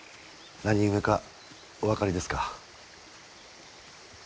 何故か、お分かりですか？